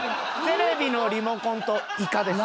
テレビのリモコンとイカです。